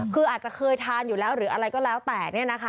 คืออาจจะเคยทานอยู่แล้วหรืออะไรก็แล้วแต่